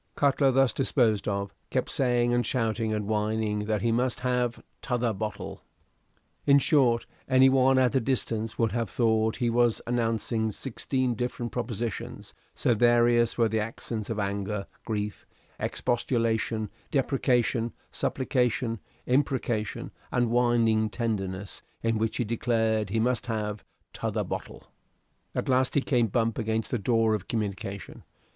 Cutler, thus disposed of, kept saying and shouting and whining that he must have "t'other bottle." In short, any one at a distance would have thought he was announcing sixteen different propositions, so various were the accents of anger, grief, expostulation, deprecation, supplication, imprecation, and whining tenderness in which he declared he must have "t'other bo'l." At last he came bump against the door of communication.